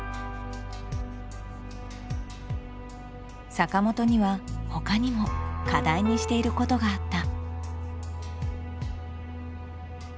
坂本にはほかにも課題にしていることがあった。